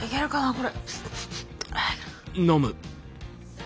これ。